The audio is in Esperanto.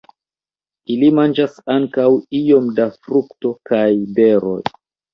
Ili manĝas ankaŭ iom da frukto kaj beroj.